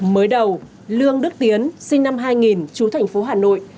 mới đầu lương đức tiến sinh năm hai nghìn chú thành phố hà nội